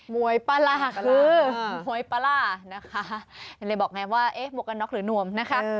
มวยปลาคือมวยปลานะคะเลยบอกไงว่าเอ๊ะหมวกกันน็อกหรือนวมนะคะ